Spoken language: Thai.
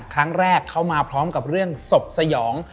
ครั้งแรกเข้ามาพร้อมกับเรื่องศพสยอง